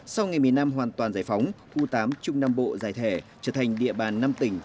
sau ngày một mươi năm hoàn toàn giải phóng khu tám trung nam bộ giải thể trở thành địa bàn năm tỉnh